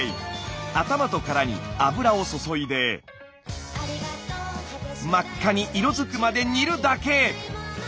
頭と殻に油を注いで真っ赤に色づくまで煮るだけ。